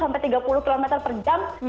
sampai tiga puluh km per jam